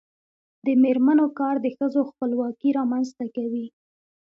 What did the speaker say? د میرمنو کار د ښځو خپلواکي رامنځته کوي.